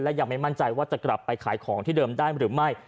ยังไม่มั่นใจว่าจะกลับไปขายของที่เดิมได้หรือไม่